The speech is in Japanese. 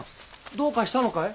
どうかしたのかい？